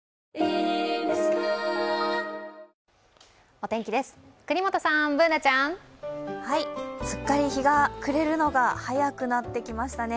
お天気です、國本さん、Ｂｏｏｎａちゃん。すっかり日が暮れるのが早くなってきましたね。